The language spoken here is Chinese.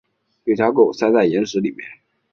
有条狗塞在岩石里面